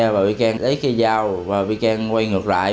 vị can lấy cây dao vị can quay ngược lại